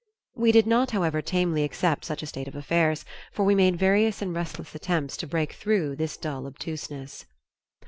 We did not, however, tamely accept such a state of affairs, for we made various and restless attempts to break through this dull obtuseness.